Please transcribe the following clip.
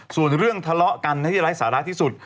ส่วนเรื่องทะเลาะกันที่ไร้สาระที่สุด